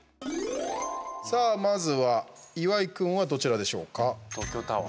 さあ、まずは岩井君はどちらでしょうか？